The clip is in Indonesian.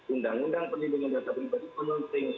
undang undang peningkatan data pribadi penting sekali